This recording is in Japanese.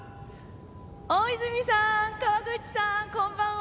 大泉さん、川口さんこんばんは！